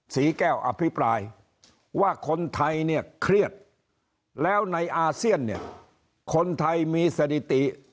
ศรีแก้วอภิปรายว่าคนไทยเนี่ยเครียดแล้วในอาเซียนเนี่ยคนไทยมีสถิติ